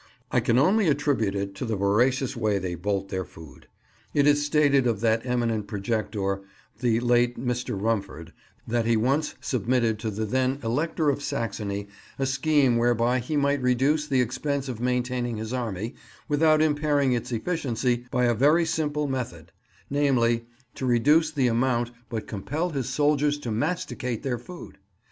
I can only attribute it to the voracious way they bolt their food. It is stated of that eminent projector, the late Mr. Rumford, that he once submitted to the then Elector of Saxony a scheme whereby he might reduce the expense of maintaining his army, without impairing its efficiency, by a very simple method, namely, to reduce the amount, but compel his soldiers to masticate their food.